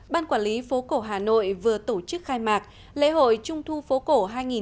ban quản lý phố cổ hà nội vừa tổ chức khai mạc lễ hội trung thu phố cổ hai nghìn một mươi chín